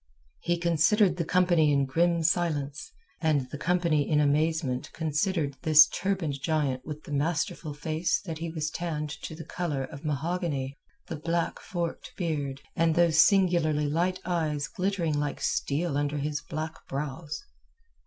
He considered the company in grim silence, and the company in amazement considered this turbaned giant with the masterful face that was tanned to the colour of mahogany, the black forked beard, and those singularly light eyes glittering like steel under his black brows.